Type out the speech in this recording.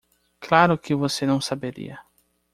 Claro que você não saberia!